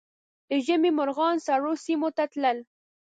د ژمي مرغان سړو سیمو ته تلل